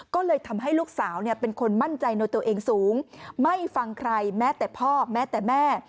ก็เลยทำให้ลูกสาวเป็นคนมั่นใจในตัวเองสูงไม่ฟังใครแม้แต่พ่อแม้แต่แม่